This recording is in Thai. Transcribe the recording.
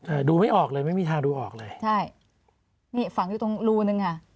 ดูไม่ออกเลยไม่มีทางดูออกเลยใช่นี่ฝังอยู่ตรงรูนึงค่ะ